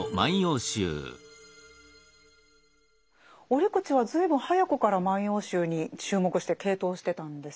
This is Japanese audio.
折口は随分早くから「万葉集」に注目して傾倒してたんですか？